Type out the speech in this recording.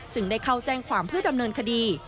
ได้เข้าแจ้งความเพื่อดำเนินคดี